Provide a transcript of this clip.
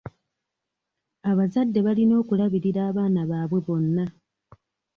Abazadde balina okulabirira abaana baabwe bonna.